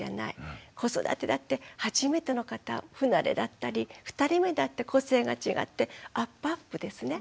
子育てだって初めての方不慣れだったり２人目だって個性が違ってアップアップですね。